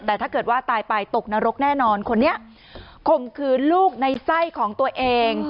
แต่ถ้าเกิดว่าตายไปตกนรกแน่นอนคนนี้ข่มขืนลูกในไส้ของตัวเอง